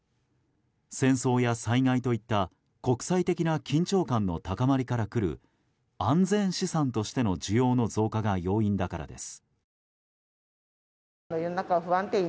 戦争や災害といった国際的な緊張感の高まりからくる安全資産としての需要の増加が要因だからです。